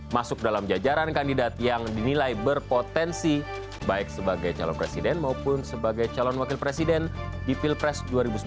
masuk dalam jajaran kandidat yang dinilai berpotensi baik sebagai calon presiden maupun sebagai calon wakil presiden di pilpres dua ribu sembilan belas